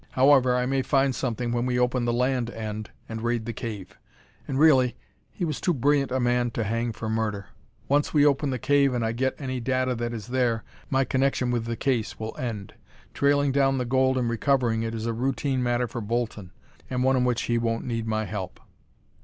However, I may find something when we open the land end and raid the cave; and really, he was too brilliant a man to hang for murder. Once we open the cave and I get any data that is there, my connection with the case will end. Trailing down the gold and recovering it is a routine matter for Bolton, and one in which he won't need my help."